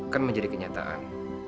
kan menjadi kenyataan